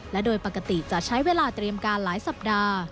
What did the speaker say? และโดยปกติจะใช้เวลาเตรียมการหลายสัปดาห์